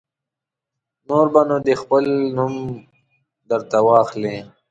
نور به نو دی خپله خپل نوم در ته واخلي.